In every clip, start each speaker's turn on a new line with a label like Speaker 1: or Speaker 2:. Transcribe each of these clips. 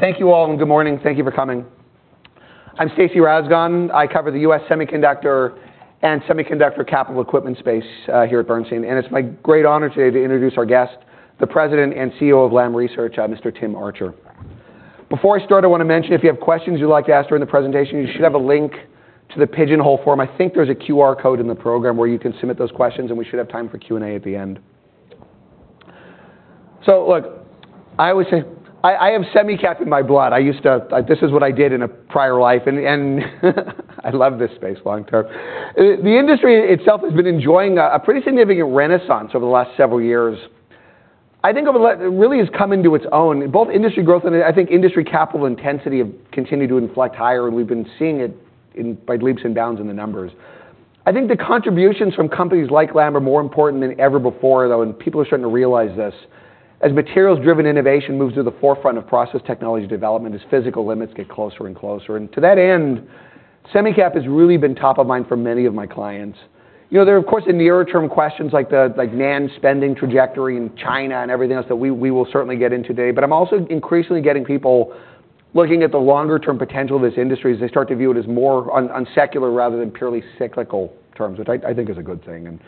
Speaker 1: Thank you all, and good morning. Thank you for coming. I'm Stacy Rasgon. I cover the U.S. semiconductor and semiconductor capital equipment space, here at Bernstein, and it's my great honor today to introduce our guest, the President and CEO of Lam Research, Mr. Tim Archer. Before I start, I wanna mention, if you have questions you'd like to ask during the presentation, you should have a link to the Pigeonhole form. I think there's a QR code in the program where you can submit those questions, and we should have time for Q&A at the end. So look, I always say I have semicap in my blood. I used to—this is what I did in a prior life, and I love this space long term. The industry itself has been enjoying a pretty significant renaissance over the last several years. I think it really has come into its own. Both industry growth and, I think, industry capital intensity have continued to inflect higher, and we've been seeing it by leaps and bounds in the numbers. I think the contributions from companies like Lam are more important than ever before, though, and people are starting to realize this. As materials-driven innovation moves to the forefront of process technology development, as physical limits get closer and closer, and to that end, semicap has really been top of mind for many of my clients. You know, there are, of course, in the nearer-term questions, like the NAND spending trajectory in China and everything else that we will certainly get into today. But I'm also increasingly getting people looking at the longer-term potential of this industry as they start to view it as more on secular rather than purely cyclical terms, which I think is a good thing.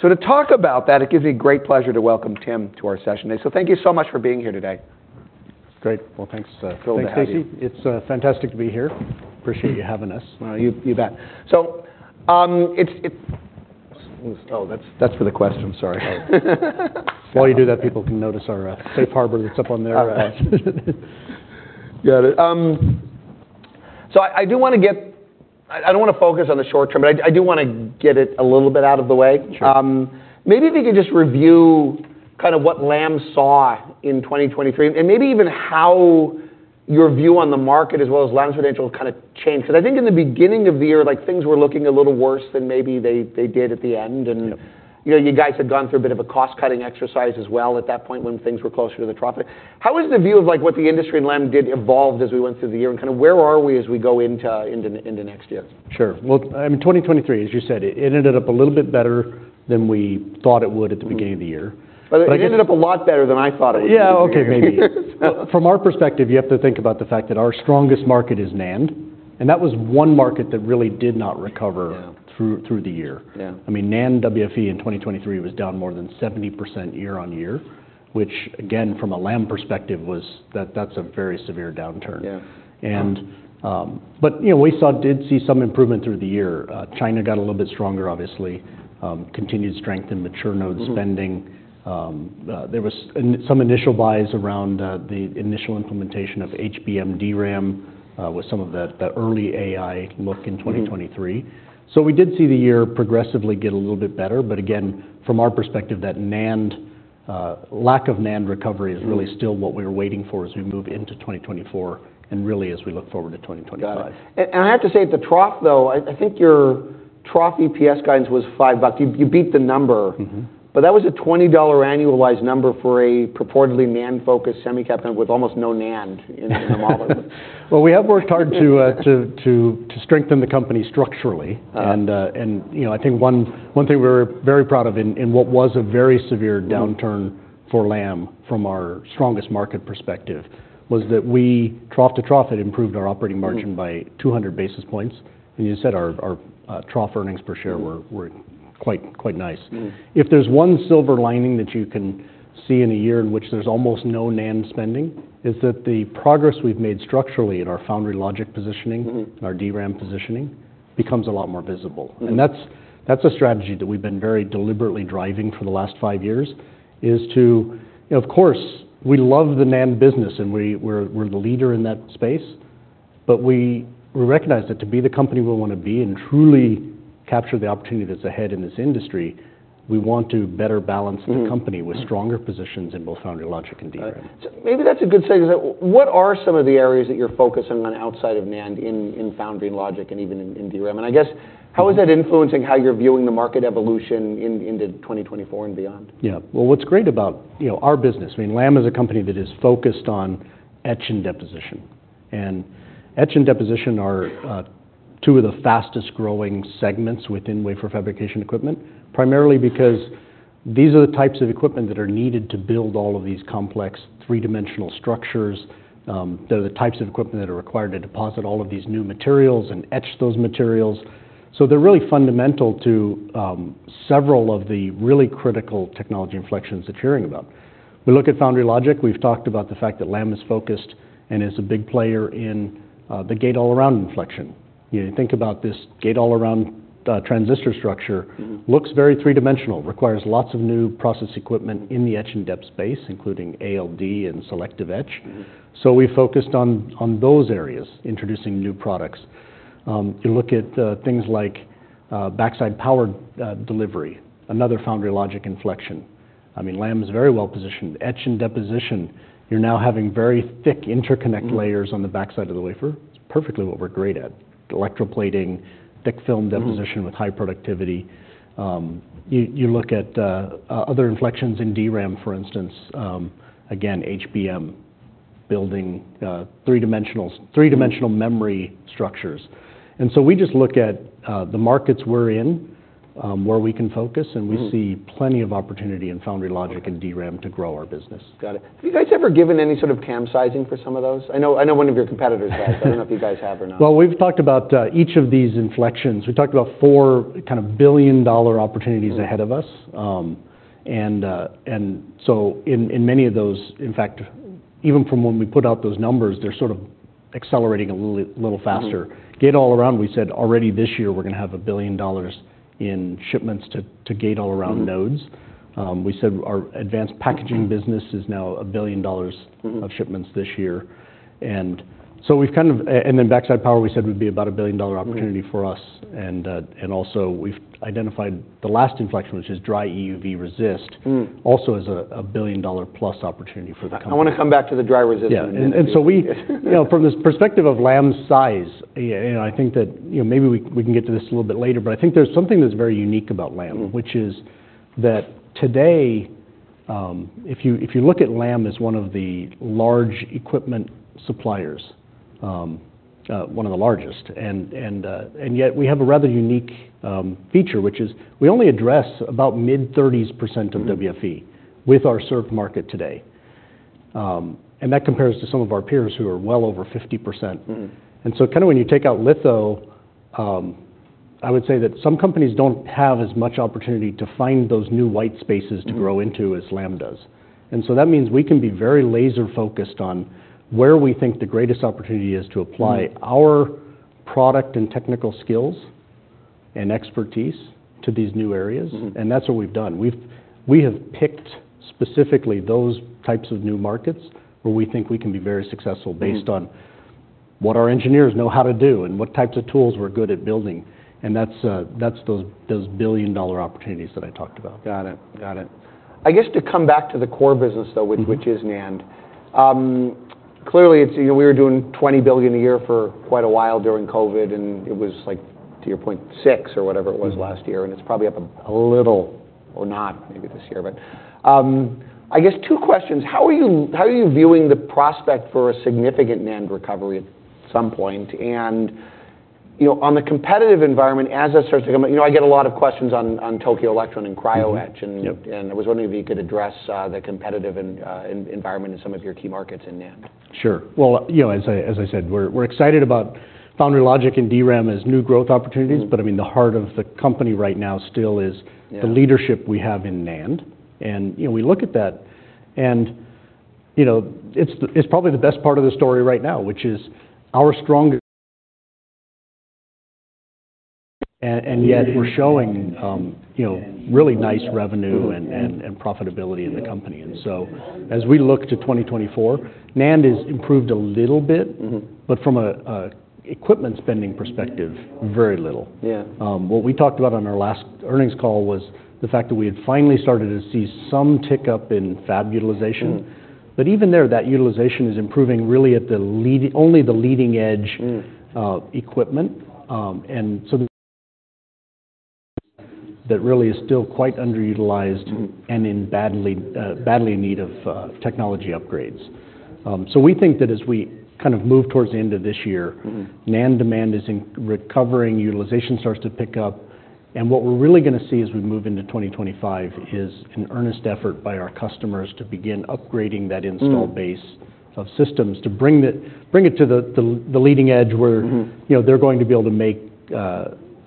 Speaker 1: And so to talk about that, it gives me great pleasure to welcome Tim to our session. So thank you so much for being here today.
Speaker 2: Great. Well, thanks.
Speaker 1: Thrilled to have you.
Speaker 2: Thanks, Stacy. It's fantastic to be here. Appreciate you having us.
Speaker 1: You bet. So, it's—
Speaker 2: Oh, that's, that's for the questions. Sorry. While you do that, people can notice our safe harbor that's up on there.
Speaker 1: Got it. So I do wanna get... I don't wanna focus on the short term, but I do wanna get it a little bit out of the way.
Speaker 2: Sure.
Speaker 1: Maybe if you could just review kind of what Lam saw in 2023, and maybe even how your view on the market, as well as Lam's potential, kind of changed. Because I think in the beginning of the year, like, things were looking a little worse than maybe they did at the end, and you know, you guys had gone through a bit of a cost-cutting exercise as well at that point when things were closer to the trough. How has the view of, like, what the industry and Lam did evolve as we went through the year, and kind of where are we as we go into next year?
Speaker 2: Sure. Well, 2023, as you said, it ended up a little bit better than we thought it would at the beginning of the year. But-
Speaker 1: But it ended up a lot better than I thought it would -
Speaker 2: Yeah, okay, maybe. From our perspective, you have to think about the fact that our strongest market is NAND, and that was one market that really did not recover through the year. I mean, NAND WFE in 2023 was down more than 70% year-on-year, which again, from a Lam perspective, was that, that's a very severe downturn. But, you know, we saw, did see some improvement through the year. China got a little bit stronger, obviously, continued strength in mature node spending. There was some initial buys around the initial implementation of HBM DRAM with some of the early AI look in 2023. So we did see the year progressively get a little bit better, but again, from our perspective, that NAND lack of NAND recovery is really still what we are waiting for as we move into 2024 and really as we look forward to 2025.
Speaker 1: Got it. And I have to say, at the trough, though, I think your trough EPS guidance was $5. You beat the number. But that was a $20 annualized number for a purportedly NAND-focused semicap with almost no NAND in the model.
Speaker 2: Well, we have worked hard to strengthen the company structurally. You know, I think one thing we're very proud of in what was a very severe downturn for Lam, from our strongest market perspective, was that we, trough to trough, had improved our operating margin by 200 basis points. And you said our trough earnings per share were quite nice. If there's one silver lining that you can see in a year in which there's almost no NAND spending, is that the progress we've made structurally in our foundry logic positioning our DRAM positioning, becomes a lot more visible. And that's a strategy that we've been very deliberately driving for the last five years, is to... You know, of course, we love the NAND business, and we're the leader in that space, but we recognize that to be the company we want to be and truly capture the opportunity that's ahead in this industry, we want to better balance the company with stronger positions in both foundry logic and DRAM.
Speaker 1: Right. Maybe that's a good segue. What are some of the areas that you're focusing on outside of NAND in, in foundry logic and even in, in DRAM? And I guess how is that influencing how you're viewing the market evolution into 2024 and beyond?
Speaker 2: Well, what's great about, you know, our business, I mean, Lam is a company that is focused on etch and deposition. And etch and deposition are two of the fastest-growing segments within wafer fabrication equipment. Primarily because these are the types of equipment that are needed to build all of these complex three-dimensional structures. They're the types of equipment that are required to deposit all of these new materials and etch those materials. So they're really fundamental to several of the really critical technology inflections that you're hearing about. We look at foundry logic, we've talked about the fact that Lam is focused and is a big player in the gate-all-around inflection. You know, think about this gate-all-around transistor structure. Looks very three-dimensional, requires lots of new process equipment in the etch and dep space, including ALD and selective etch. So we focused on those areas, introducing new products. You look at things like backside power delivery, another foundry logic inflection. I mean, Lam is very well positioned. Etch and deposition, you're now having very thick interconnect layers on the backside of the wafer. It's perfectly what we're great at: electroplating, thick film deposition with high productivity. You look at other inflections in DRAM, for instance, again, HBM building three dimensionals, three-dimensional memory structures. And so we just look at the markets we're in.... where we can focus, and we see plenty of opportunity in foundry logic and DRAM to grow our business.
Speaker 1: Got it. Have you guys ever given any sort of TAM sizing for some of those? I know, I know one of your competitors has. I don't know if you guys have or not.
Speaker 2: Well, we've talked about each of these inflections. We talked about four kind of billion-dollar opportunities ahead of us.
Speaker 1: Right.
Speaker 2: And so in many of those, in fact, even from when we put out those numbers, they're sort of accelerating a little faster. Gate-all-around, we said already this year we're gonna have $1 billion in shipments to, to gate-all-around nodes. We said our advanced packaging business is now $1 billion of shipments this year. And so we've kind of and then backside power, we said, would be about a billion-dollar opportunity for us. And also we've identified the last inflection, which is dry EUV resist also is a billion-dollar-plus opportunity for the company.
Speaker 1: I want to come back to the dry resist in a minute.
Speaker 2: So we... You know, from this perspective of Lam's size, yeah, and I think that, you know, maybe we can get to this a little bit later, but I think there's something that's very unique about Lam which is that today, if you look at Lam as one of the large equipment suppliers, one of the largest, and yet we have a rather unique feature, which is we only address about mid-30s% of WFE with our served market today. That compares to some of our peers who are well over 50%. And so kind of when you take out litho, I would say that some companies don't have as much opportunity to find those new white spaces to grow into as Lam does. And so that means we can be very laser-focused on where we think the greatest opportunity is to apply our product and technical skills and expertise to these new areas. That's what we've done. We have picked specifically those types of new markets where we think we can be very successful.... based on what our engineers know how to do and what types of tools we're good at building, and that's those billion-dollar opportunities that I talked about.
Speaker 1: Got it, got it. I guess to come back to the core business, though which is NAND. Clearly, it's, you know, we were doing $20 billion a year for quite a while during COVID, and it was like, to your point, $6 billion or whatever it was last year. And it's probably up a little or not, maybe this year. But, I guess two questions: How are you viewing the prospect for a significant NAND recovery at some point? And, you know, on the competitive environment, as that starts to come up, you know, I get a lot of questions on Tokyo Electron and cryo-etch and I was wondering if you could address the competitive environment in some of your key markets in NAND?
Speaker 2: Sure. Well, you know, as I said, we're excited about foundry logic and DRAM as new growth opportunities. I mean, the heart of the company right now still is the leadership we have in NAND. You know, we look at that, and, you know, it's probably the best part of the story right now, which is our strong... Yet we're showing, you know, really nice revenue and profitability in the company. So as we look to 2024, NAND has improved a little bit but from a equipment spending perspective, very little. What we talked about on our last earnings call was the fact that we had finally started to see some tick-up in fab utilization. But even there, that utilization is improving really only at the leading-edge equipment. And so that really is still quite underutilized and in badly, badly in need of, technology upgrades. So we think that as we kind of move towards the end of this year NAND demand is in recovering, utilization starts to pick up, and what we're really gonna see as we move into 2025 is an earnest effort by our customers to begin upgrading that installed base of systems to bring it to the leading edge, where you know, they're going to be able to make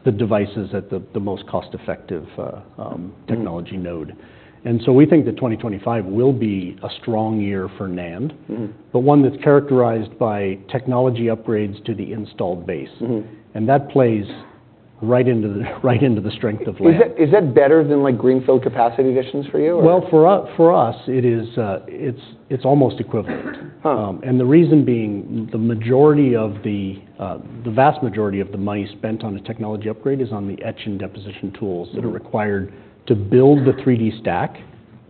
Speaker 2: the devices at the most cost-effective technology node. So we think that 2025 will be a strong year for NAND. But one that's characterized by technology upgrades to the installed base. That plays right into the strength of Lam.
Speaker 1: Is that better than, like, greenfield capacity additions for you or?
Speaker 2: Well, for us, it is, it's almost equivalent. And the reason being, the vast majority of the money spent on a technology upgrade is on the etch and deposition tools that are required to build the 3D stack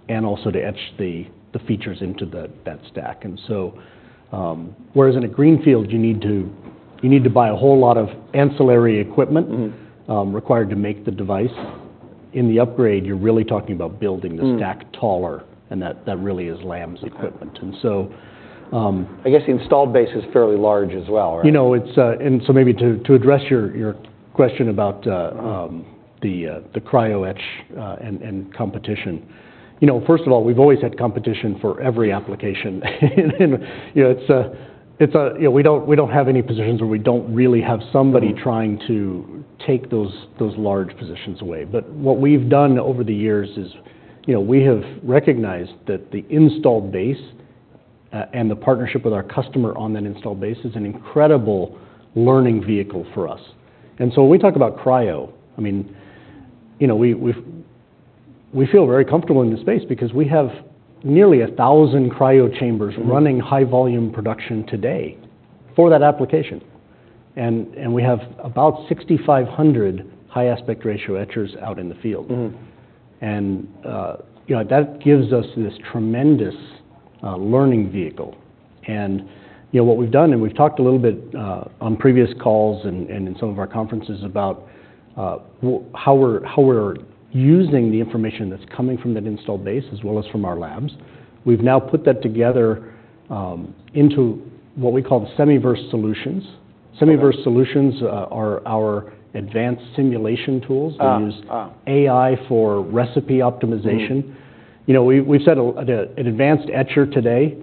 Speaker 2: and also to etch the features into that stack. And so, whereas in a greenfield, you need to buy a whole lot of ancillary equipment required to make the device. In the upgrade, you're really talking about building the stack taller, and that, that really is Lam's equipment. And so-
Speaker 1: I guess the installed base is fairly large as well, right?
Speaker 2: You know, it's... And so maybe to address your question about the cryo-etch and competition. You know, first of all, we've always had competition for every application. And, you know, it's a you know, we don't have any positions where we don't really have somebody trying to take those, those large positions away. But what we've done over the years is, you know, we have recognized that the installed base, and the partnership with our customer on that installed base is an incredible learning vehicle for us. And so when we talk about cryo, I mean, you know, we, we've—we feel very comfortable in this space because we have nearly 1,000 cryo chambers running high-volume production today for that application. And we have about 6,500 high aspect ratio etchers out in the field. You know, that gives us this tremendous learning vehicle. You know, what we've done, and we've talked a little bit on previous calls and in some of our conferences about how we're using the information that's coming from that installed base as well as from our labs. We've now put that together into what we call the Semiverse Solutions. Semiverse Solutions are our advanced simulation tools. Ah, ah. We use AI for recipe optimization you know, we, we've said an advanced etcher today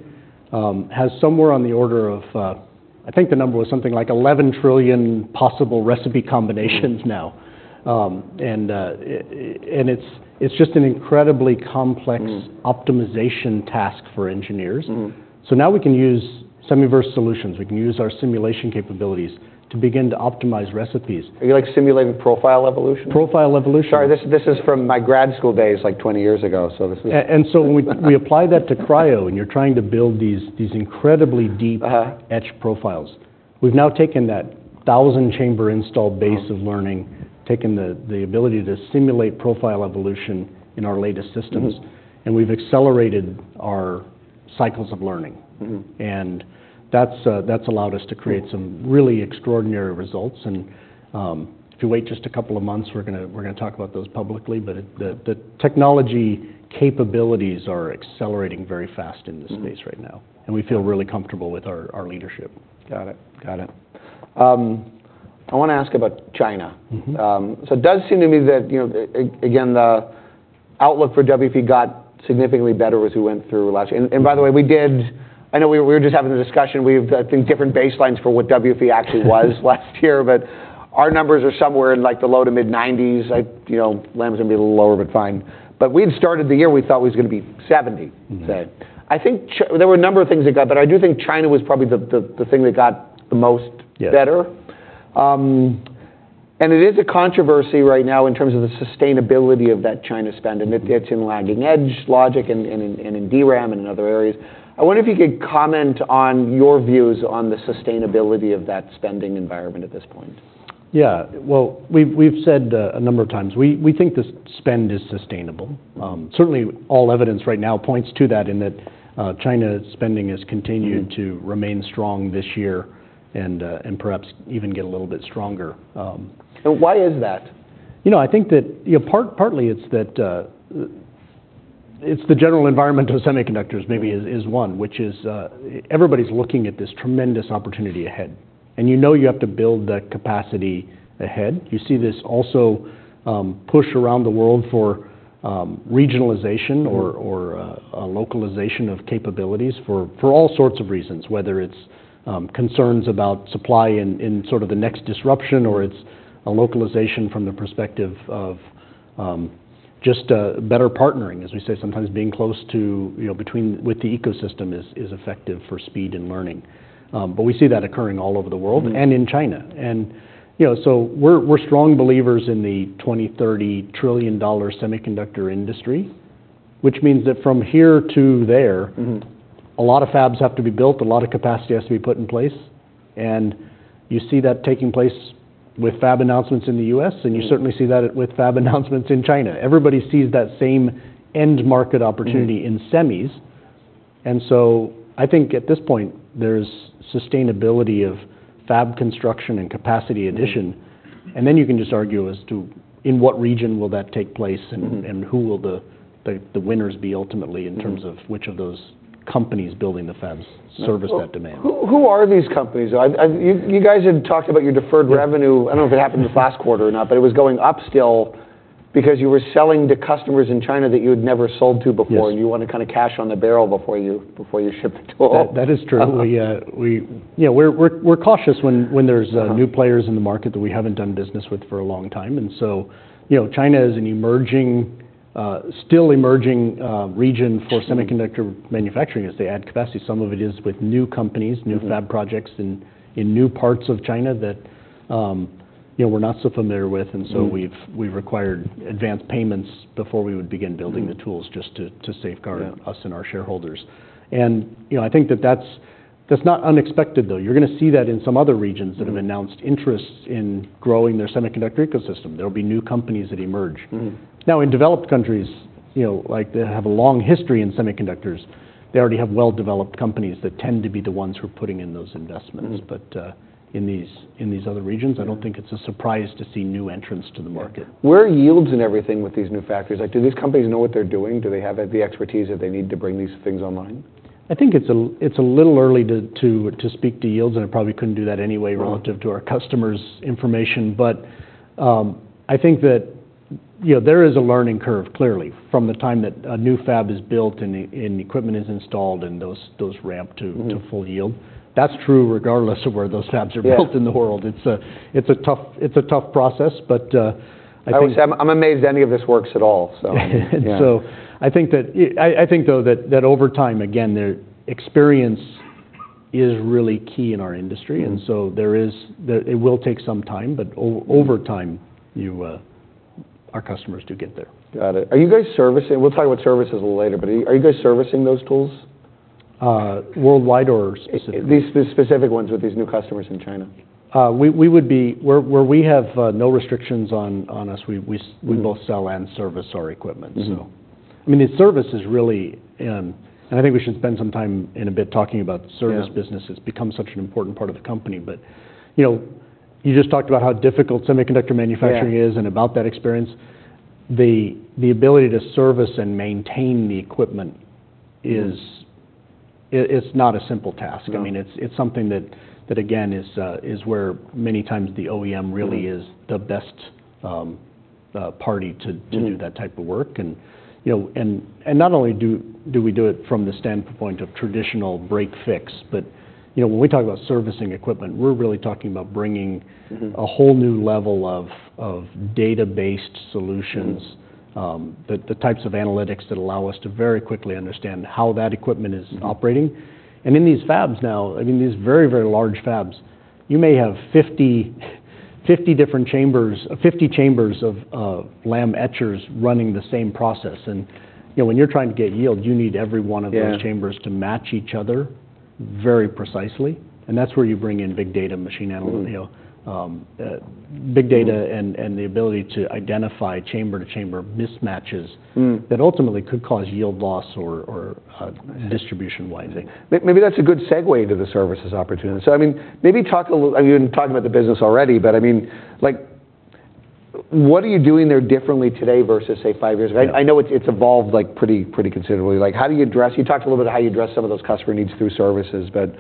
Speaker 2: has somewhere on the order of, I think the number was something like 11 trillion possible recipe combinations now. And it's just an incredibly complex optimization task for engineers. So now we can use Semiverse Solutions. We can use our simulation capabilities to begin to optimize recipes.
Speaker 1: Are you, like, simulating profile evolution?
Speaker 2: Profile evolution.
Speaker 1: Sorry, this, this is from my grad school days, like 20 years ago, so this is...
Speaker 2: And so when we apply that to cryo, and you're trying to build these incredibly deep-etch profiles. We've now taken that 1,000-chamber installed base of learning taken the ability to simulate profile evolution in our latest systems. We've accelerated our cycles of learning. And that's allowed us to create some really extraordinary results. And if you wait just a couple of months, we're gonna talk about those publicly. But the technology capabilities are accelerating very fast in this space right now. And we feel really comfortable with our leadership.
Speaker 1: Got it. Got it. I wanna ask about China. So it does seem to me that, you know, again, the outlook for WFE got significantly better as we went through last year. And by the way, we did... I know we were just having a discussion. We've, I think, different baselines for what WFE actually was last year, but our numbers are somewhere in, like, the low-to-mid $90s. I, you know, Lam's gonna be a little lower, but fine. But we've started the year, we thought was gonna be $70. So I think there were a number of things that got, but I do think China was probably the thing that got the most better. And it is a controversy right now in terms of the sustainability of that China spend, and it's, it's in lagging edge logic and in DRAM and in other areas. I wonder if you could comment on your views on the sustainability of that spending environment at this point.
Speaker 2: Well, we've said a number of times, we think the spend is sustainable. Certainly, all evidence right now points to that, in that, China's spending has continued to remain strong this year and perhaps even get a little bit stronger,
Speaker 1: But why is that?
Speaker 2: You know, I think that, you know, partly it's that, it's the general environment of semiconductors maybe is, is one, which is, everybody's looking at this tremendous opportunity ahead, and you know you have to build that capacity ahead. You see this also, push around the world for, regionalization or, or, a localization of capabilities for, for all sorts of reasons, whether it's, concerns about supply and, and sort of the next disruption, or it's a localization from the perspective of, just, better partnering. As we say, sometimes being close to, you know, between, with the ecosystem is, is effective for speed and learning. But we see that occurring all over the world and in China. And, you know, so we're strong believers in the 2030 $1 trillion semiconductor industry, which means that from here to there a lot of fabs have to be built, a lot of capacity has to be put in place. You see that taking place with fab announcements in the U.S., and you certainly see that with fab announcements in China. Everybody sees that same end market opportunity in semis. And so I think at this point, there's sustainability of fab construction and capacity addition. And then you can just argue as to in what region will that take place? And who will the winners be ultimately in terms of which of those companies building the fabs service that demand?
Speaker 1: Who are these companies, though? I've... You guys had talked about your deferred revenue. I don't know if it happened this last quarter or not, but it was going up still because you were selling to customers in China that you had never sold to before and you want to kind of cash on the barrel before you, before you ship the tool.
Speaker 2: That is true. We... You know, we're cautious when there's new players in the market that we haven't done business with for a long time. And so, you know, China is an emerging, still emerging, region for semiconductor manufacturing as they add capacity. Some of it is with new companies new fab projects in new parts of China that, you know, we're not so familiar with. And so we've required advanced payments before we would begin building the tools just to safeguard us and our shareholders. You know, I think that's not unexpected, though. You're gonna see that in some other regions that have announced interests in growing their semiconductor ecosystem. There will be new companies that emerge. Now, in developed countries, you know, like, that have a long history in semiconductors, they already have well-developed companies that tend to be the ones who are putting in those investments. But, in these other regions, I don't think it's a surprise to see new entrants to the market.
Speaker 1: Where are yields and everything with these new factories? Like, do these companies know what they're doing? Do they have the expertise that they need to bring these things online?
Speaker 2: I think it's a little early to speak to yields, and I probably couldn't do that anyway relative to our customers' information. But, I think that, you know, there is a learning curve, clearly, from the time that a new fab is built, and equipment is installed, and those ramp to to full yield. That's true regardless of where those fabs are built in the world. It's a tough process, but I think-
Speaker 1: I would say I'm amazed any of this works at all, so yeah.
Speaker 2: So I think that, though, that over time, again, the experience is really key in our industry. That it will take some time, but over time, you, our customers do get there.
Speaker 1: Got it. Are you guys servicing... We'll talk about services a little later, but are you, are you guys servicing those tools?
Speaker 2: Worldwide or specifically?
Speaker 1: These specific ones with these new customers in China.
Speaker 2: We would be... Where we have no restrictions on us, we we both sell and service our equipment, so- I mean, the service is really... And I think we should spend some time in a bit talking about the service business it's become such an important part of the company. But, you know, you just talked about how difficult semiconductor manufacturing is and about that experience. The ability to service and maintain the equipment is... It's not a simple task. I mean, it's something that again is where many times the OEM really is the best, party to to do that type of work. And, you know, not only do we do it from the standpoint of traditional break-fix, but, you know, when we talk about servicing equipment, we're really talking about bringing a whole new level of data-based solutions. The types of analytics that allow us to very quickly understand how that equipment is operating. In these fabs now, I mean, these very, very large fabs, you may have 50 chambers of Lam etchers running the same process. And, you know, when you're trying to get yield, you need every one of those chambers to match each other very precisely, and that's where you bring in big data, machine analytics. Big data and the ability to identify chamber-to-chamber mismatches that ultimately could cause yield loss or distribution-wide thing.
Speaker 1: Maybe that's a good segue to the services opportunity. So I mean, maybe talk a little... I mean, you've been talking about the business already, but I mean, like, what are you doing there differently today versus, say, five years ago? I know it's evolved, like, pretty considerably. Like, how do you address... You talked a little bit how you address some of those customer needs through services, but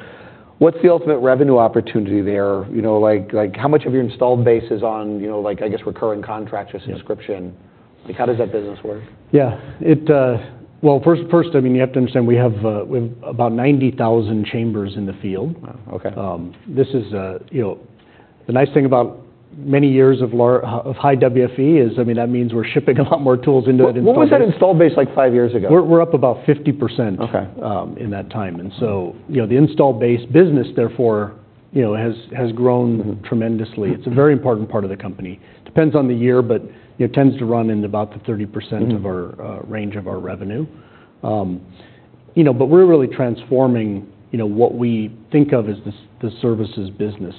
Speaker 1: what's the ultimate revenue opportunity there? You know, like, how much of your installed base is on, you know, like, I guess, recurring contracts or subscription? Like, how does that business work?
Speaker 2: Well, first, I mean, you have to understand, we have about 90,000 chambers in the field. You know, the nice thing about many years of high WFE is, I mean, that means we're shipping a lot more tools into it and so on-
Speaker 1: What, what was that installed base, like, five years ago?
Speaker 2: We're up about 50% in that time. And so, you know, the installed base business, therefore, you know, has grown tremendously. It's a very important part of the company. Depends on the year, but it tends to run in about the 30% of our range of our revenue. You know, but we're really transforming, you know, what we think of as the services business.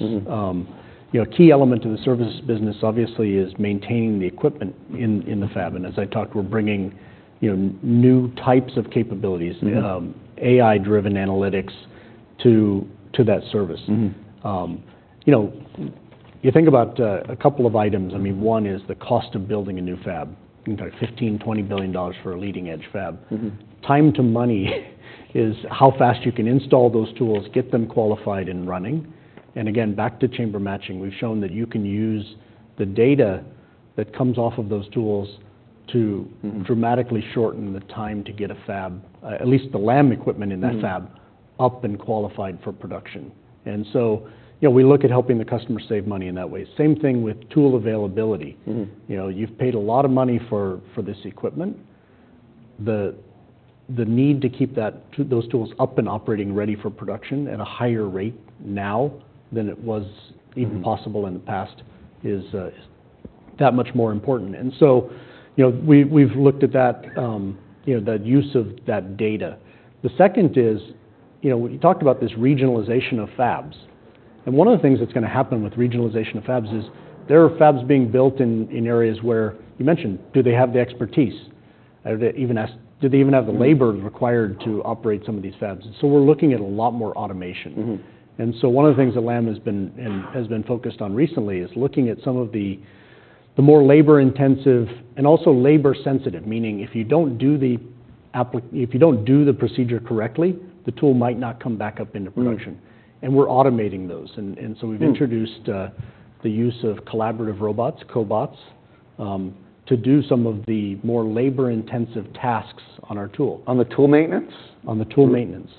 Speaker 2: You know, a key element of the services business, obviously, is maintaining the equipment in the fab. And as I talked, we're bringing, you know, new types of capabilities AI-driven analytics to that service. You know, you think about a couple of items. I mean, one is the cost of building a new fab. $15 billion-$20 billion for a leading-edge fab. Time to money is how fast you can install those tools, get them qualified and running. And again, back to chamber matching, we've shown that you can use the data that comes off of those tools to dramatically shorten the time to get a fab, at least the Lam equipment in that fab up and qualified for production. And so, you know, we look at helping the customer save money in that way. Same thing with tool availability. You know, you've paid a lot of money for this equipment. The need to keep those tools up and operating, ready for production, at a higher rate now than it was even possible in the past, is, that much more important. And so, you know, we've looked at that, you know, the use of that data. The second is, you know, when you talked about this regionalization of fabs, and one of the things that's gonna happen with regionalization of fabs is, there are fabs being built in areas where, you mentioned, do they have the expertise? They even ask: Do they even have the labor required to operate some of these fabs? So we're looking at a lot more automation. One of the things that Lam has been focused on recently is looking at some of the more labor-intensive and also labor-sensitive, meaning if you don't do the procedure correctly, the tool might not come back up into production. And we're automating those. We've introduced the use of collaborative robots, cobots, to do some of the more labor-intensive tasks on our tool.
Speaker 1: On the tool maintenance?
Speaker 2: On the tool maintenance.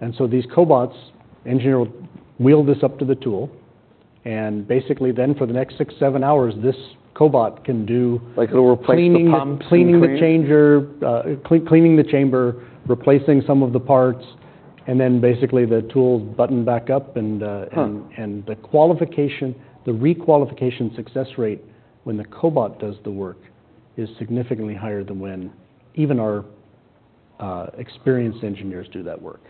Speaker 2: And so these cobots, engineer will wheel this up to the tool, and basically then, for the next six-seven hours, this cobot can do-
Speaker 1: Like it will replace the pumps and-
Speaker 2: -cleaning, cleaning the changer, cleaning the chamber, replacing some of the parts, and then basically the tool's buttoned back up, and the qualification, the requalification success rate when the cobot does the work, is significantly higher than when even our experienced engineers do that work.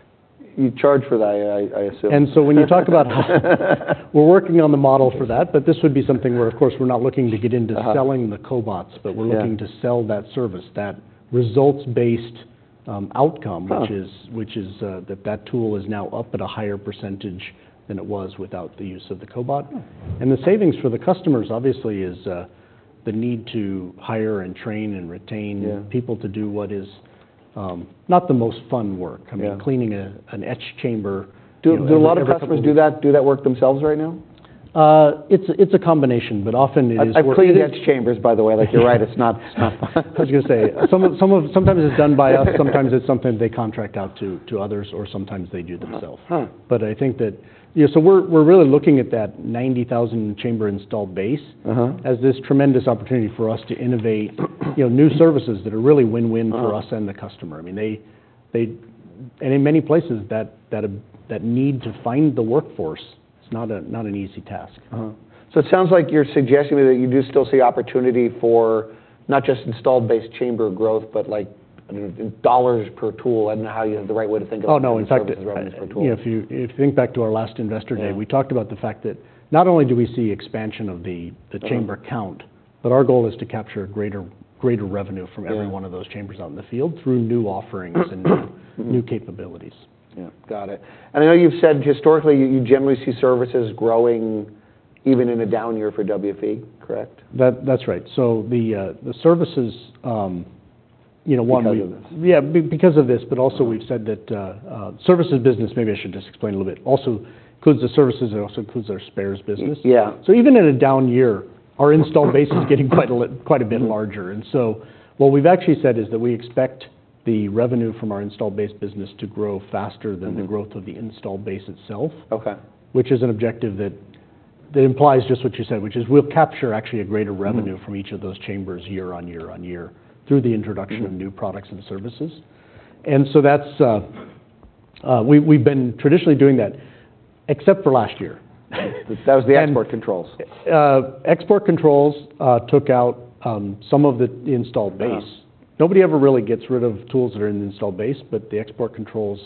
Speaker 1: You charge for that, I assume.
Speaker 2: And so when you talk about... We're working on the model for that, but this would be something where, of course, we're not looking to get into selling the cobots but we're looking to sell that service, that results-based, outcome which is, that tool is now up at a higher percentage than it was without the use of the cobot. The savings for the customers, obviously, is the need to hire and train and retain people to do what is, not the most fun work. I mean, cleaning an etch chamber, you know, every couple-
Speaker 1: Do a lot of customers do that work themselves right now?
Speaker 2: It's a combination, but often it is-
Speaker 1: I've cleaned etch chambers, by the way. Like, you're right, it's not, it's not fun.
Speaker 2: Sometimes it's done by us, sometimes it's something they contract out to others, or sometimes they do themselves. I think that... Yeah, so we're really looking at that 90,000-chamber installed base as this tremendous opportunity for us to innovate, you know, new services that are really win-win for us and the customer. I mean, they... And in many places, that need to find the workforce is not an easy task.
Speaker 1: Uh-huh. So it sounds like you're suggesting to me that you do still see opportunity for not just installed base chamber growth, but like, I mean, in dollars per tool, I don't know how you have the right way to think about-
Speaker 2: Oh, no, in fact-
Speaker 1: -services, revenues per tool.
Speaker 2: You know, if you think back to our last Investor Day we talked about the fact that not only do we see expansion of the chamber count, but our goal is to capture greater revenue from every one of those chambers out in the field through new offerings and new capabilities.
Speaker 1: Yeah, got it. And I know you've said historically, you generally see services growing even in a down year for WFE, correct?
Speaker 2: That, that's right. So the services, you know, one-
Speaker 1: Because of this.
Speaker 2: Yeah, because of this, but also we've said that services business, maybe I should just explain a little bit. Also, includes the services, and it also includes our spares business. So even in a down year, our installed base is getting quite a bit larger. And so what we've actually said is that we expect the revenue from our installed base business to grow faster than the growth of the installed base itself. Which is an objective that implies just what you said, which is we'll capture actually a greater revenue from each of those chambers year on year on year, through the introduction of new products and services. And so that's, we've been traditionally doing that, except for last year.
Speaker 1: That was the export controls.
Speaker 2: Export controls took out some of the installed base. Nobody ever really gets rid of tools that are in the installed base, but the export controls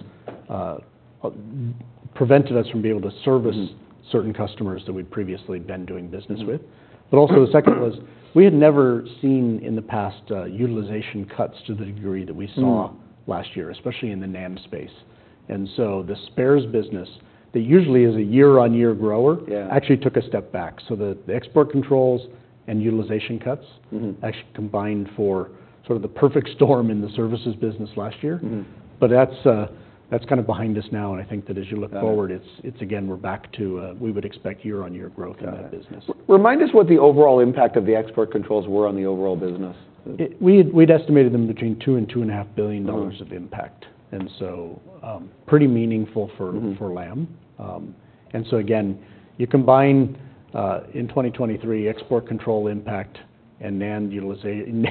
Speaker 2: prevented us from being able to service-certain customers that we'd previously been doing business with. But also, the second was, we had never seen in the past, utilization cuts to the degree that we saw last year, especially in the NAND space. And so the spares business, that usually is a year-on-year grower-actually took a step back. So the export controls and utilization cuts, actually combined for sort of the perfect storm in the services business last year. But that's kind of behind us now, and I think that as you look forward it's again, we're back to, we would expect year-on-year growth in that business.
Speaker 1: Got it. Remind us what the overall impact of the export controls were on the overall business?
Speaker 2: We'd estimated them between $2 billion-$2.5 billion of impact. And so, pretty meaningful for Lam. And so again, you combine in 2023, export control impact and NAND utilization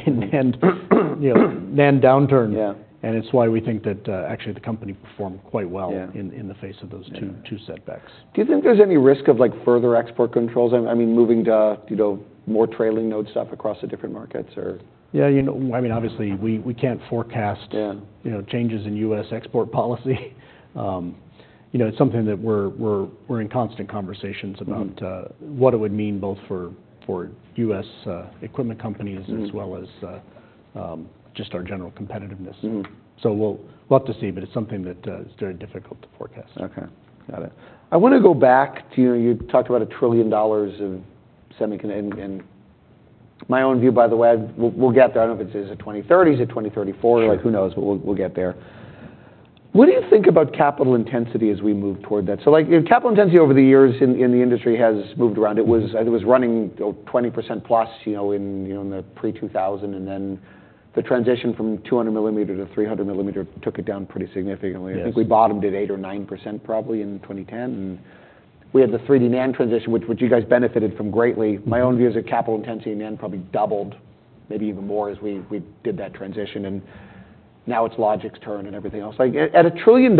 Speaker 2: and NAND downturn. It's why we think that, actually, the company performed quite well in the face of those two setbacks.
Speaker 1: Do you think there's any risk of, like, further export controls? I mean, moving to, you know, more trailing node stuff across the different markets or...?
Speaker 2: Yeah, you know, I mean, obviously, we can't forecast you know, changes in U.S. export policy. You know, it's something that we're in constant conversations about what it would mean both for, for U.S., equipment companies as well as, just our general competitiveness. We'll, we'll have to see, but it's something that is very difficult to forecast.
Speaker 1: Okay, got it. I want to go back to, you know, you talked about $1 trillion of semiconductor and my own view, by the way, we'll get there. I don't know if it's 2030 or 2034 who knows? But we'll get there. What do you think about capital intensity as we move toward that? So, like, you know, capital intensity over the years in the industry has moved around. It was running 20%+, you know, in the pre-2000, and then the transition from 200 mm to 300 mm took it down pretty significantly. I think we bottomed at 8%-9%, probably in 2010, and we had the 3D NAND transition, which you guys benefited from greatly. My own view is that capital intensity, NAND probably doubled, maybe even more, as we did that transition, and now it's logic's turn and everything else. Like, at $1 trillion,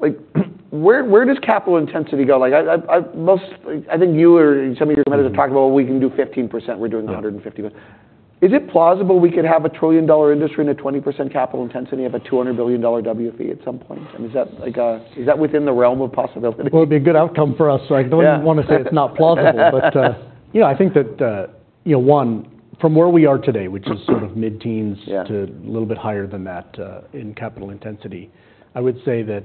Speaker 1: like, where does capital intensity go? Like, I think you or some of your competitors talk about, well, we can do 15%, we're doing 150%. Is it plausible we could have a trillion-dollar industry and a 20% capital intensity of a $200 billion WFE at some point? I mean, is that like, is that within the realm of possibility?
Speaker 2: Well, it'd be a good outcome for us so I don't want to say it's not plausible. But, you know, I think that, you know, one, from where we are today, which is sort of mid-teens to a little bit higher than that, in capital intensity, I would say that,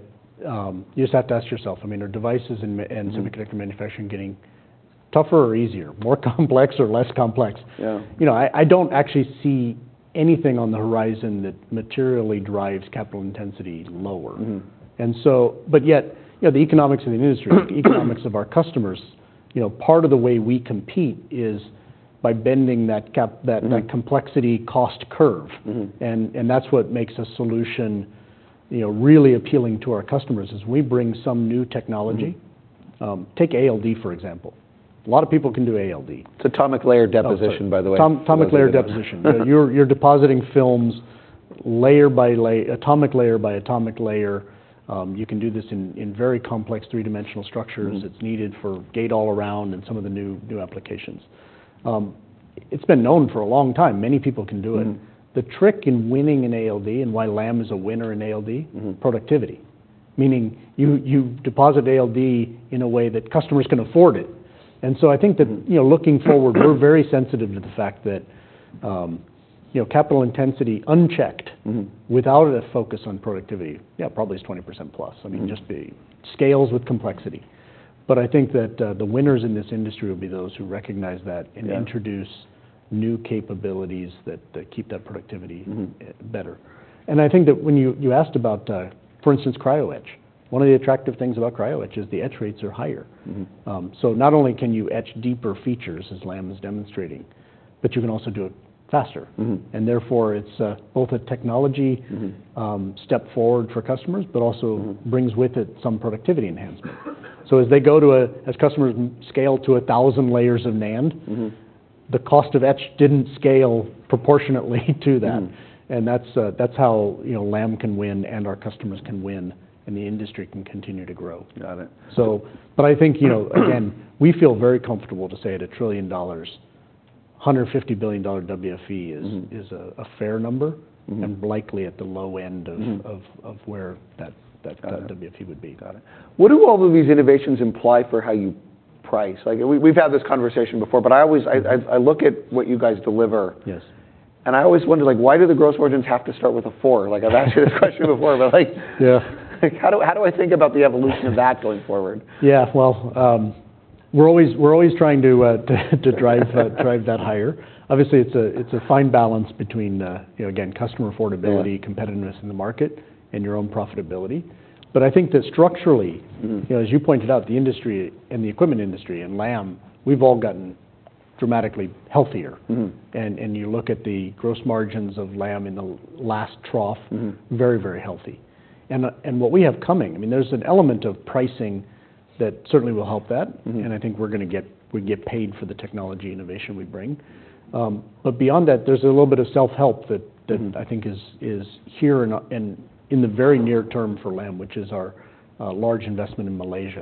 Speaker 2: you just have to ask yourself, I mean, are devices and semiconductor manufacturing getting tougher or easier, more complex or less complex? You know, I don't actually see anything on the horizon that materially drives capital intensity lower. You know, the economics of the industry, the economics of our customers, you know, part of the way we compete is by bending that cap, that complexity cost curve. And that's what makes a solution, you know, really appealing to our customers, as we bring some new technology. Take ALD, for example. A lot of people can do ALD. It's atomic layer deposition-
Speaker 1: Oh, sorry
Speaker 2: -by the way. Atomic layer deposition. You're depositing films, atomic layer by atomic layer. You can do this in very complex three-dimensional structures that's needed for gate-all-around and some of the new, new applications. It's been known for a long time. Many people can do it. The trick in winning in ALD and why Lam is a winner in ALD: productivity. Meaning you deposit ALD in a way that customers can afford it. And so I think that you know, looking forward, we're very sensitive to the fact that, you know, capital intensity unchecked without a focus on productivity, yeah, probably is 20%+. I mean, just the scales with complexity. But I think that the winners in this industry will be those who recognize that and introduce new capabilities that keep that productivity better. And I think that when you, you asked about, for instance, cryo-etch. One of the attractive things about cryo-etch is the etch rates are higher. Not only can you etch deeper features, as Lam is demonstrating, but you can also do it faster. Therefore, it's both a technology step forward for customers, but also brings with it some productivity enhancement. So as they go, as customers scale to 1,000 layers of NAND the cost of etch didn't scale proportionately to that. That's how, you know, Lam can win, and our customers can win, and the industry can continue to grow.
Speaker 1: Got it.
Speaker 2: So, but I think, you know, again, we feel very comfortable to say at $1 trillion, $150 billion WFE is a fair number and likely at the low end of where that WFE would be.
Speaker 1: Got it. What do all of these innovations imply for how you price? Like, we've had this conversation before, but I always... I look at what you guys deliver I always wonder, like, why do the gross margins have to start with a four? Like, I've asked you this question before, but like, how do I think about the evolution of that going forward?
Speaker 2: Yeah, well, we're always trying to drive that higher. Obviously, it's a fine balance between, you know, again, customer affordability competitiveness in the market, and your own profitability. But I think that structurally you know, as you pointed out, the industry, and the equipment industry, and Lam, we've all gotten dramatically healthier. And you look at the gross margins of Lam in the last trough was very, very healthy. And, and what we have coming, I mean, there's an element of pricing that certainly will help that. I think we get paid for the technology innovation we bring. But beyond that, there's a little bit of self-help that I think is here in the very near term for Lam, which is our large investment in Malaysia.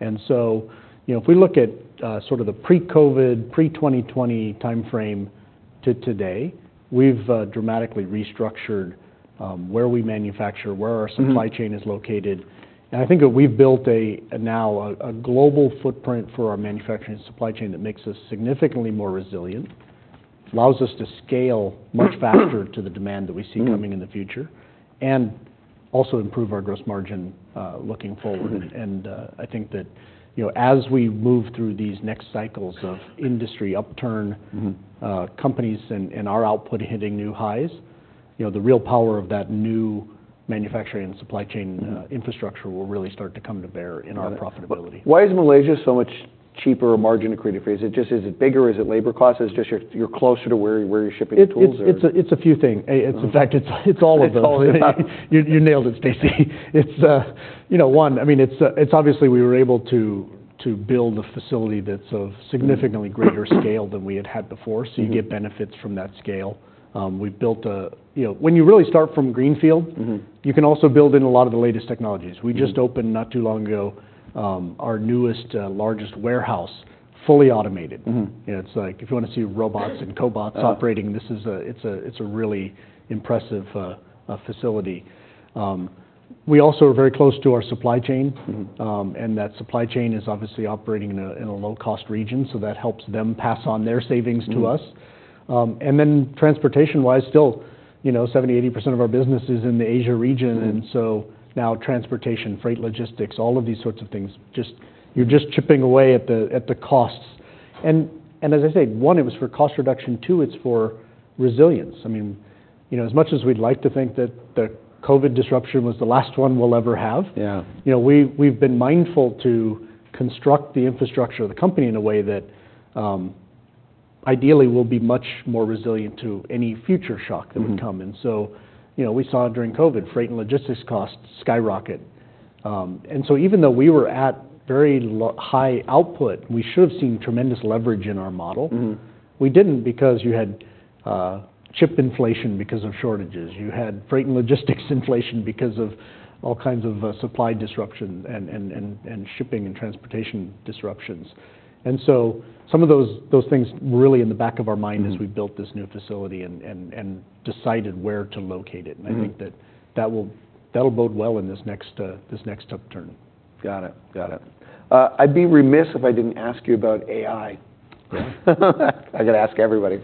Speaker 2: And so, you know, if we look at sort of the pre-COVID, pre-2020 timeframe to today, we've dramatically restructured where we manufacture, where our supply chain is located. And I think that we've built a global footprint for our manufacturing supply chain that makes us significantly more resilient, allows us to scale much faster to the demand that we see coming in the future, and also improve our gross margin, looking forward. And, I think that, you know, as we move through these next cycles of industry upturn companies and our output hitting new highs, you know, the real power of that new manufacturing and supply chain infrastructure will really start to come to bear in our profitability.
Speaker 1: But why is Malaysia so much cheaper, margin accretive? Is it just bigger, is it labor costs? Is it just you're closer to where you're shipping tools or...?
Speaker 2: It's a few things. In fact, it's all of those. You nailed it, Stacy. It's, you know, I mean, it's obviously we were able to build a facility that's of significantly greater scale than we had had before. So you get benefits from that scale. We've built a... You know, when you really start from greenfield you can also build in a lot of the latest technologies. We just opened, not too long ago, our newest, largest warehouse, fully automated. You know, it's like, if you want to see robots and cobots operating, this is a really impressive facility. We also are very close to our supply chain. That supply chain is obviously operating in a low-cost region, so that helps them pass on their savings to us. And then transportation-wise, still, you know, 70%-80% of our business is in the Asia region. So now transportation, freight, logistics, all of these sorts of things, just... You're just chipping away at the costs. And as I said, one, it was for cost reduction. Two, it's for resilience. I mean, you know, as much as we'd like to think that the COVID disruption was the last one we'll ever have, you know, we've been mindful to construct the infrastructure of the company in a way that, ideally, will be much more resilient to any future shock that would come. So, you know, we saw during COVID, freight and logistics costs skyrocket. Even though we were at very high output, we should have seen tremendous leverage in our model. We didn't, because you had chip inflation because of shortages. You had freight and logistics inflation because of all kinds of supply disruption and shipping and transportation disruptions. And so some of those things were really in the back of our mind as we built this new facility and decided where to locate it. I think that'll bode well in this next upturn.
Speaker 1: Got it. Got it. I'd be remiss if I didn't ask you about AI. I gotta ask everybody.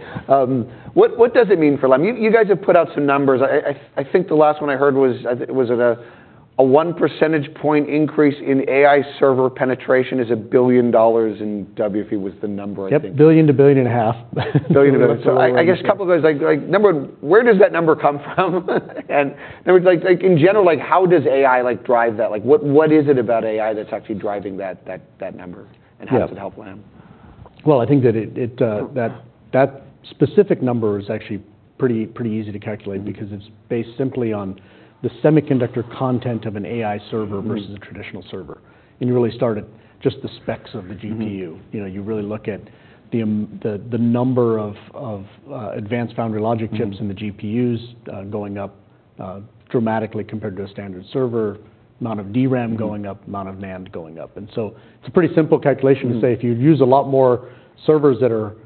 Speaker 1: What does it mean for Lam? You guys have put out some numbers. I think the last one I heard was, I think, was it a 1 percentage point increase in AI server penetration is $1 billion in WFE, was the number, I think.
Speaker 2: Yep. $1 billion-$1.5 billion.
Speaker 1: $1.5 billion. So I guess a couple things. Like, like, number one, where does that number come from? And number... Like, like, in general, like, how does AI, like, drive that? Like, what, what is it about AI that's actually driving that, that, that number? How does it help Lam?
Speaker 2: Well, I think that specific number is actually pretty easy to calculate because it's based simply on the semiconductor content of an AI server versus a traditional server. You really start at just the specs of the GPU. You know, you really look at the number of advanced foundry logic chips and the GPUs, going up, dramatically compared to a standard server. Amount of DRAM going up amount of NAND going up. And so it's a pretty simple calculation to say, if you use a lot more servers that are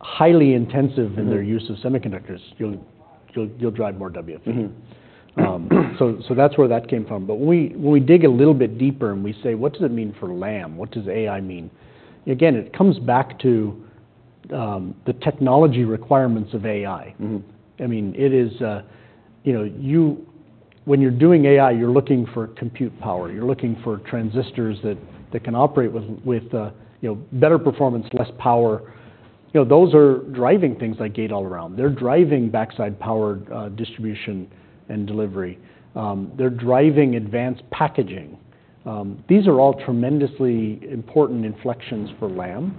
Speaker 2: highly intensive in their use of semiconductors, you'll drive more WFE. So that's where that came from. But when we dig a little bit deeper, and we say: What does it mean for Lam? What does AI mean? Again, it comes back to the technology requirements of AI. I mean, it is. You know, you, when you're doing AI, you're looking for compute power, you're looking for transistors that can operate with you know, better performance, less power. You know, those are driving things like gate-all-around. They're driving backside power distribution and delivery. They're driving advanced packaging. These are all tremendously important inflections for Lam.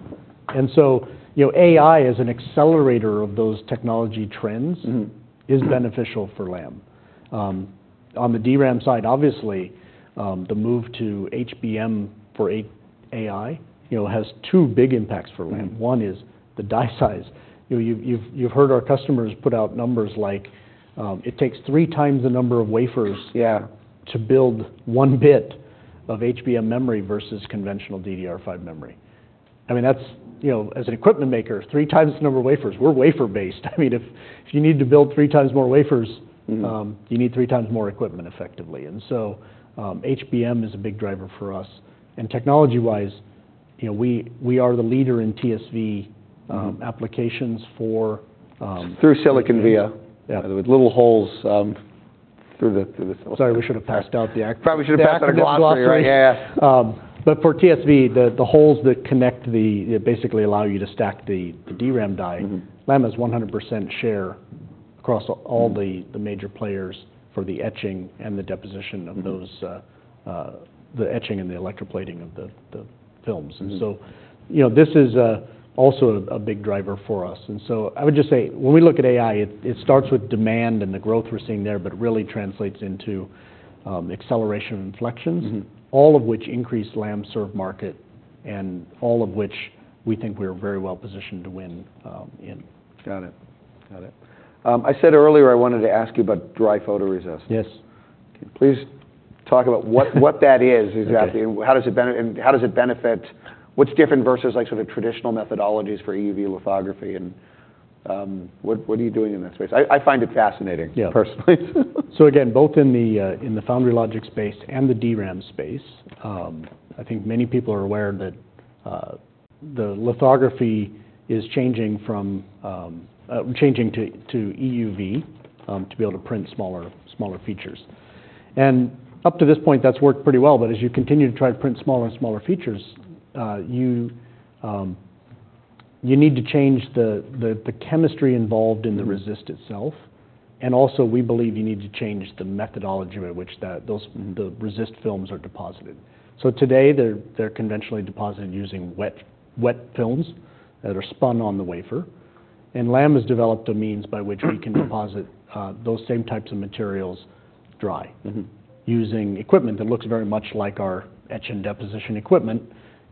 Speaker 2: And so, you know, AI, as an accelerator of those technology trends is beneficial for Lam. On the DRAM side, obviously, the move to HBM for AI, you know, has two big impacts for Lam. One is the die size. You know, you've heard our customers put out numbers like, it takes three times the number of wafers to build one bit of HBM memory versus conventional DDR5 memory. I mean, that's, you know, as an equipment maker, three times the number of wafers. We're wafer-based. I mean, if you need to build three times more wafers, you need three times more equipment, effectively. And so, HBM is a big driver for us. And technology-wise—you know, we are the leader in TSV applications for—
Speaker 1: Through-silicon via.
Speaker 2: With little holes through the- Sorry, we should have passed out the-
Speaker 1: Probably should have passed out a glossary.
Speaker 2: - glossary. But for TSV, the holes that connect basically allow you to stack the DRAM die, LAM has 100% share across all the major players for the etching and the deposition of those the etching and the electroplating of the films. You know, this is also a big driver for us. I would just say, when we look at AI, it starts with demand and the growth we're seeing there, but really translates into acceleration inflections. All of which increase Lam-served market, and all of which we think we're very well positioned to win in.
Speaker 1: Got it. Got it. I said earlier, I wanted to ask you about dry photoresist.
Speaker 2: Yes.
Speaker 1: Please talk about what that is exactly. How does it benefit... What's different versus, like, sort of traditional methodologies for EUV lithography, and what are you doing in that space? I find it fascinating, personally.
Speaker 2: So again, both in the foundry logic space and the DRAM space, I think many people are aware that the lithography is changing to EUV to be able to print smaller, smaller features. And up to this point, that's worked pretty well. But as you continue to try to print smaller and smaller features, you need to change the chemistry involved in the resist itself. And also, we believe you need to change the methodology by which that, those, the resist films are deposited. So today, they're, they're conventionally deposited using wet, wet films that are spun on the wafer. And Lam has developed a means by which we can deposit those same types of materials dry using equipment that looks very much like our etch and deposition equipment.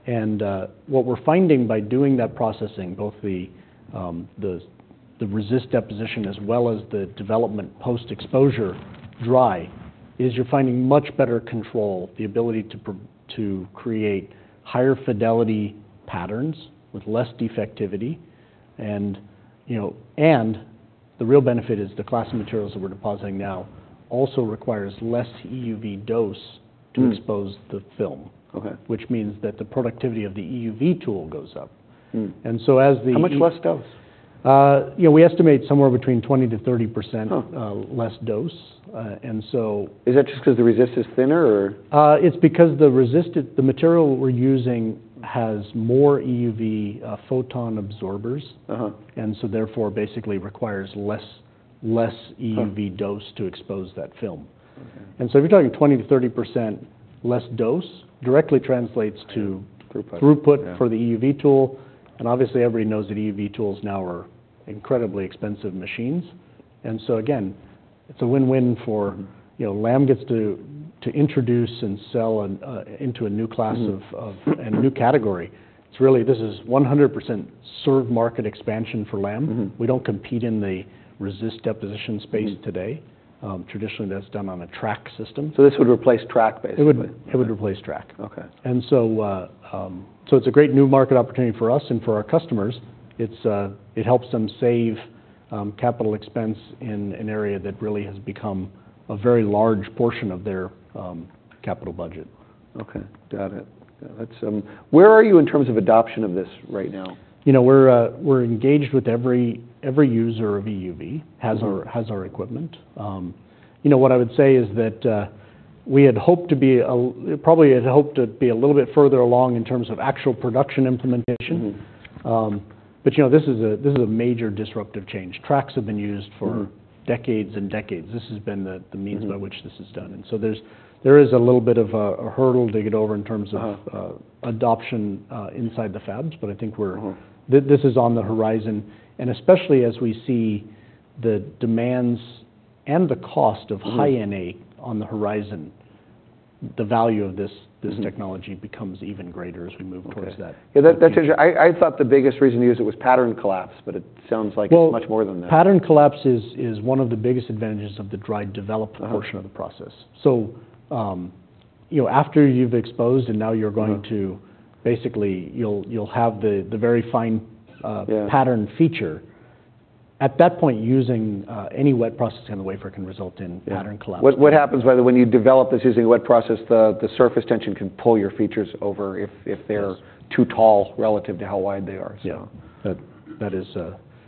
Speaker 2: And what we're finding by doing that processing, both the resist deposition as well as the development post-exposure dry, is you're finding much better control, the ability to create higher fidelity patterns with less defectivity. And, you know, and the real benefit is the class of materials that we're depositing now also requires less EUV dose to expose the film. Which means that the productivity of the EUV tool goes up. And so as the-
Speaker 1: How much less dose?
Speaker 2: You know, we estimate somewhere between 20%-30%-less dose. And so-
Speaker 1: Is that just because the resist is thinner, or?
Speaker 2: It's because the resist, the material we're using has more EUV photon absorbers. Therefore, basically requires less EUV-dose to expose that film. And so if you're talking 20%-30% less dose, directly translates to-
Speaker 1: Throughput.
Speaker 2: -throughput for the EUV tool. Obviously, everybody knows that EUV tools now are incredibly expensive machines. So again, it's a win-win for, you know, Lam gets to introduce and sell into a new class of a new category. It's really, this is 100% served market expansion for Lam. We don't compete in the resist deposition space today. Traditionally, that's done on a track system.
Speaker 1: This would replace track, basically?
Speaker 2: It would, it would replace track. It's a great new market opportunity for us and for our customers. It helps them save capital expense in an area that really has become a very large portion of their capital budget.
Speaker 1: Okay, got it. That's... Where are you in terms of adoption of this right now?
Speaker 2: You know, we're engaged with every user of EUV has our, has our equipment. You know, what I would say is that, we had hoped to be, probably had hoped to be a little bit further along in terms of actual production implementation. But, you know, this is a major disruptive change. Tracks have been used for decades and decades. This has been the means by which this is done. And so there is a little bit of a hurdle to get over in terms of adoption inside the fabs, but I think we're this is on the horizon. And especially as we see the demands and the cost of High NA on the horizon, the value of this, this technology becomes even greater as we move towards that.
Speaker 1: Okay. Yeah, that, that's interesting. I, I thought the biggest reason to use it was pattern collapse, but it sounds like it's much more than that.
Speaker 2: Well, pattern collapse is one of the biggest advantages of the dry develop portion of the process. So, you know, after you've exposed, and now you're going to basically, you'll have the very fine pattern feature. At that point, using any wet process in the wafer can result in pattern collapse.
Speaker 1: What happens when you develop this using a wet process, the surface tension can pull your features over if they're too tall relative to how wide they are?
Speaker 2: That is,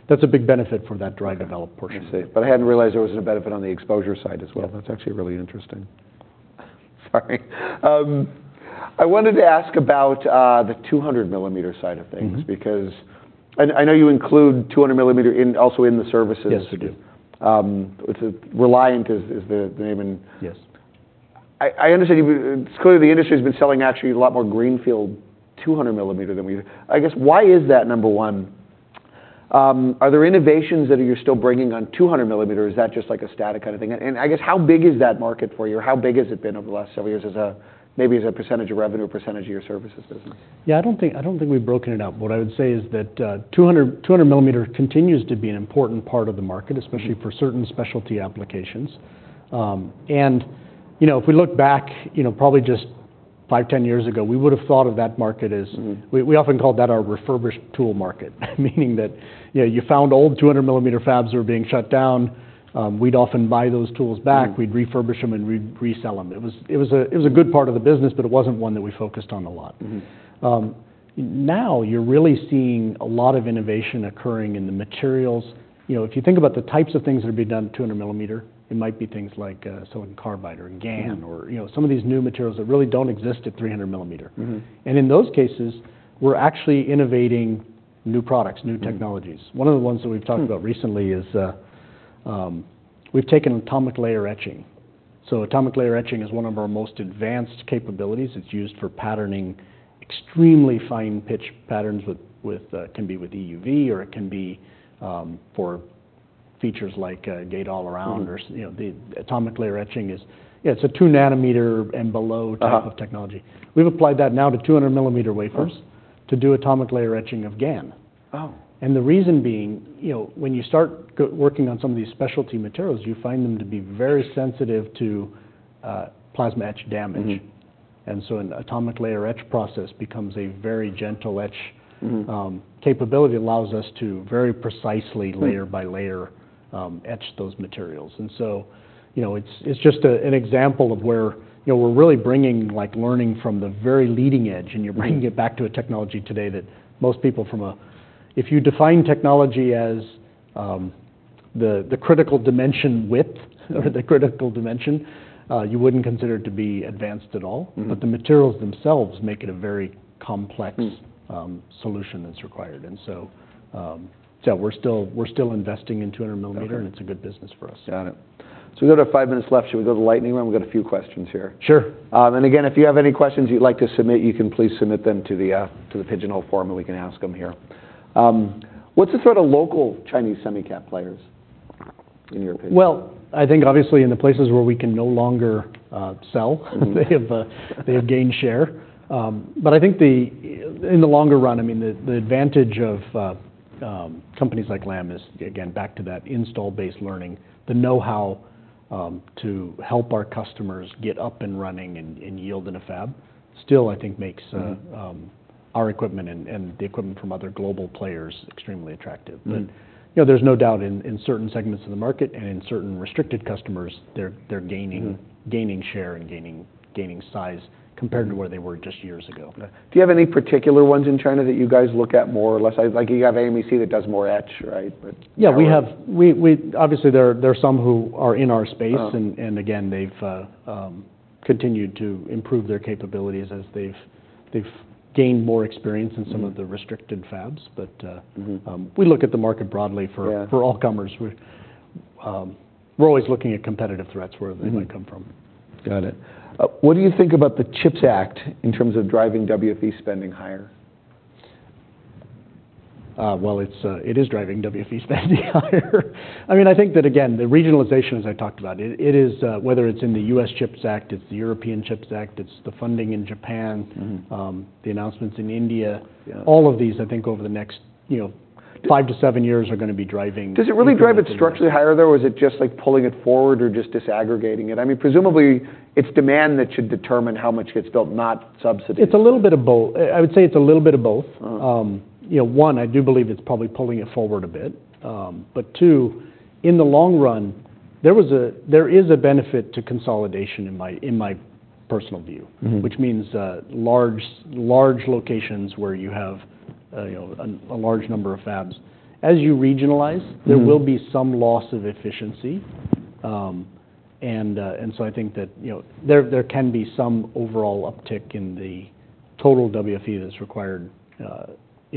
Speaker 2: that's a big benefit from that dry develop portion.
Speaker 1: I see. But I hadn't realized there was a benefit on the exposure side as well. That's actually really interesting. Sorry. I wanted to ask about the 200 mm side of things. Because I know you include 200 mm in, also in the services.
Speaker 2: Yes, we do.
Speaker 1: It's Reliant is the name in-
Speaker 2: Yes.
Speaker 1: I understand you but—clearly, the industry has been selling actually a lot more greenfield 200 mm than we. I guess, why is that, number one? Are there innovations that you're still bringing on 200 mm, or is that just like a static kind of thing? And I guess, how big is that market for you, or how big has it been over the last several years as a, maybe as a percentage of revenue, or percentage of your services business?
Speaker 2: Yeah, I don't think, I don't think we've broken it out. What I would say is that, 200 mm continues to be an important part of the market especially for certain specialty applications. You know, if we look back, you know, probably just five, 10 years ago, we would have thought of that market as—we often called that our refurbished tool market, meaning that, you know, you found old 200 mm fabs were being shut down. We'd often buy those tools back, we'd refurbish them, and we'd resell them. It was a good part of the business, but it wasn't one that we focused on a lot. Now you're really seeing a lot of innovation occurring in the materials. You know, if you think about the types of things that are being done in 200 mm, it might be things like, silicon carbide or GaN. You know, some of these new materials that really don't exist at 300 mm. In those cases, we're actually innovating new products, new technologies. One of the ones that we've talked about recently is, we've taken atomic layer etching. So atomic layer etching is one of our most advanced capabilities. It's used for patterning extremely fine pitch patterns with can be with EUV, or it can be for features like gate-all-around or, you know, the atomic layer etching is, yeah, it's a 2 nm and below-type of technology. We've applied that now to 200 mm wafers to do atomic layer etching of GaN. The reason being, you know, when you start working on some of these specialty materials, you find them to be very sensitive to plasma etch damage. An atomic layer etch process becomes a very gentle etch. Capability allows us to very precisely layer by layer, etch those materials. And so, you know, it's, it's just an example of where, you know, we're really bringing, like, learning from the very leading edge. You're bringing it back to a technology today that most people, if you define technology as the critical dimension width or the critical dimension, wouldn't consider it to be advanced at all. But the materials themselves make it a very complex solution that's required. And so, we're still investing in 200 mm and it's a good business for us.
Speaker 1: Got it. So we've got about five minutes left. Should we go to the lightning round? We've got a few questions here.
Speaker 2: Sure.
Speaker 1: Again, if you have any questions you'd like to submit, you can please submit them to the Pigeonhole form, and we can ask them here. What's the sort of local Chinese semicap players, in your opinion?
Speaker 2: Well, I think obviously in the places where we can no longer sell. They have, they have gained share. But I think, in the longer run, I mean, the advantage of, companies like Lam is, again, back to that installed-base learning. The know-how, to help our customers get up and running and yield in a fab, still, I think makes our equipment and the equipment from other global players extremely attractive. But, you know, there's no doubt in certain segments of the market and in certain restricted customers, they're gaining, gaining share and gaining size compared to where they were just years ago.
Speaker 1: Okay. Do you have any particular ones in China that you guys look at more or less? Like, you have AMEC that does more etch, right? But-
Speaker 2: Yeah, we have. Obviously, there are some who are in our space. And again, they've continued to improve their capabilities as they've gained more experience in some of the restricted fabs. But we look at the market broadly for, for all comers. We, we're always looking at competitive threats, where they might come from.
Speaker 1: Got it. What do you think about the CHIPS Act in terms of driving WFE spending higher?
Speaker 2: Well, it is driving WFE spending higher. I mean, I think that, again, the regionalization, as I talked about, it is whether it's in the U.S. CHIPS Act, it's the European Chips Act, it's the funding in Japan, the announcements in India. All of these, I think, over the next, you know, five to seven years are gonna be driving-
Speaker 1: Does it really drive it structurally higher, though, or is it just, like, pulling it forward or just disaggregating it? I mean, presumably, it's demand that should determine how much gets built, not subsidies.
Speaker 2: It's a little bit of both. I would say it's a little bit of both. You know, one, I do believe it's probably pulling it forward a bit. But two, in the long run, there is a benefit to consolidation in my, in my personal view. Which means, large, large locations where you have, you know, a large number of fabs. As you regionalize there will be some loss of efficiency. So I think that, you know, there can be some overall uptick in the total WFE that's required in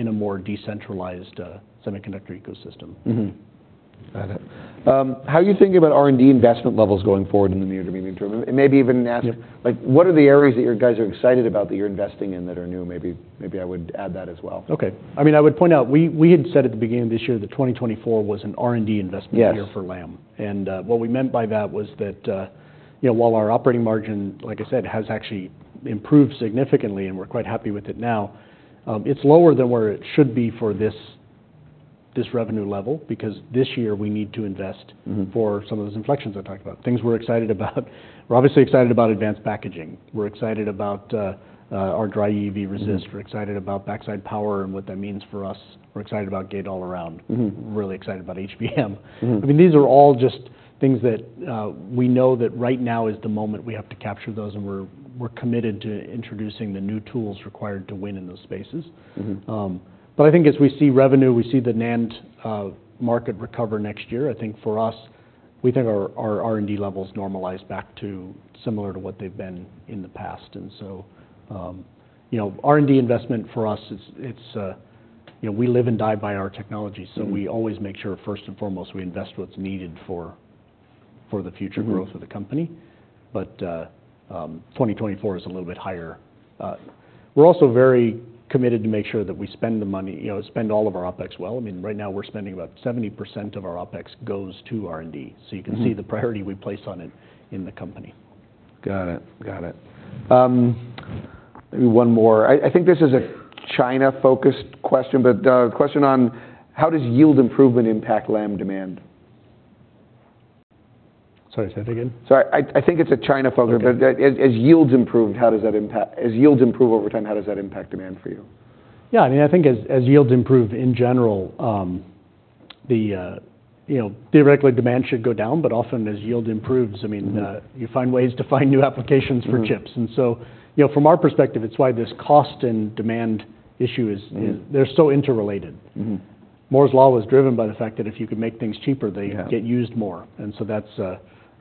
Speaker 2: a more decentralized semiconductor ecosystem.
Speaker 1: Got it. How are you thinking about R&D investment levels going forward in the near to medium term? And maybe even ask like, what are the areas that you guys are excited about, that you're investing in, that are new? Maybe, maybe I would add that as well.
Speaker 2: Okay. I mean, I would point out, we, we had said at the beginning of this year that 2024 was an R&D investment year for Lam. And what we meant by that was that you know, while our operating margin, like I said, has actually improved significantly and we're quite happy with it now, it's lower than where it should be for this, this revenue level, because this year we need to invest for some of those inflections I talked about. Things we're excited about. We're obviously excited about advanced packaging. We're excited about our dry EUV resist. We're excited about backside power and what that means for us. We're excited about gate-all-around. Really excited about HBM. I mean, these are all just things that we know that right now is the moment we have to capture those, and we're committed to introducing the new tools required to win in those spaces. But I think as we see revenue, we see the NAND market recover next year. I think for us, we think our R&D levels normalize back to similar to what they've been in the past. And so, you know, R&D investment for us, it's you know, we live and die by our technology so we always make sure, first and foremost, we invest what's needed for the future growth of the company. But, 2024 is a little bit higher. We're also very committed to make sure that we spend the money, you know, spend all of our OpEx well. I mean, right now, we're spending about 70% of our OpEx goes to R&D. So you can see the priority we place on it in the company.
Speaker 1: Got it. Got it. Maybe one more. I think this is a China-focused question, but, question on: How does yield improvement impact Lam demand?
Speaker 2: Sorry, say that again?
Speaker 1: Sorry, I think it's a China-focused. As yields improve over time, how does that impact demand for you?
Speaker 2: Yeah, I mean, I think as yields improve in general, you know, theoretically, demand should go down, but often, as yield improves, I mean, you find ways to find new applications for chips. And so, you know, from our perspective, it's why this cost and demand issue is they're so interrelated. Moore's Law was driven by the fact that if you could make things cheaper they get used more. And so that's,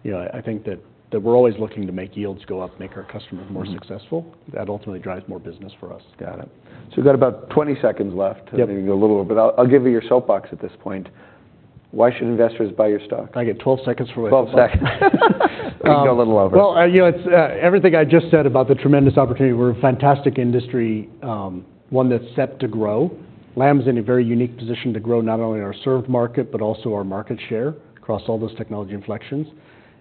Speaker 2: you know, I think that we're always looking to make yields go up, make our customers more successful. That ultimately drives more business for us.
Speaker 1: Got it. So we've got about 20 seconds left. Maybe a little more, but I'll, I'll give you your soapbox at this point. Why should investors buy your stock?
Speaker 2: I get 12 seconds for my soapbox?
Speaker 1: 12 seconds. You can go a little over.
Speaker 2: Well, you know, it's everything I just said about the tremendous opportunity. We're a fantastic industry, one that's set to grow. Lam's in a very unique position to grow, not only in our served market, but also our market share across all those technology inflections.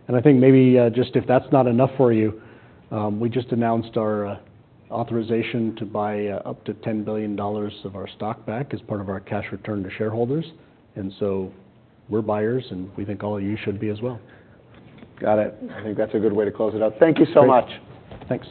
Speaker 2: And I think maybe, just if that's not enough for you, we just announced our authorization to buy up to $10 billion of our stock back as part of our cash return to shareholders, and so we're buyers, and we think all of you should be as well.
Speaker 1: Got it. I think that's a good way to close it out. Thank you so much.
Speaker 2: Thanks.